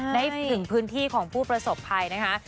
ได้ถึงพื้นที่ของผู้ประสบภัยนะคะ